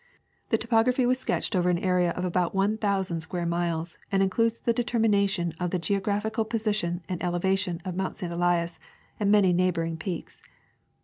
The topography was sketched over an area of ahout one thou sand square miles, and includes the determination of the geo graphical position and elevation of Mount St. Elias and many neighboring peaks.